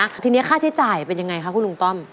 ทีนี้ค่าใช้จ่ายเป็นยังไงคะคุณลุงต้อม